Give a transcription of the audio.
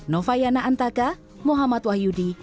novayana antaka muhammad wahyudi